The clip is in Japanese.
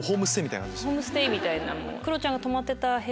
ホームステイみたいな。